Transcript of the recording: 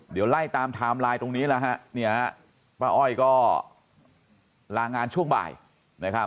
เดี๋ยวไล่ตามไทม์ไลน์ตรงนี้แล้วฮะป้าอ้อยก็ลางานช่วงบ่ายนะครับ